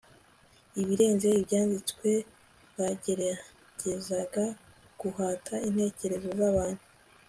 Ibirenze ibyanditswe bagerageza guhata intekerezo zabantu